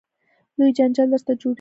لوی جنجال درته جوړوي.